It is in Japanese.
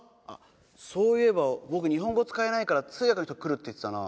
そういえば僕日本語使えないから通訳の人来るって言ってたな。